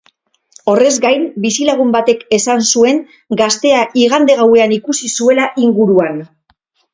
Horrez gain, bizilagun batek esan zuen gaztea igande gauean ikusi zuela inguruan.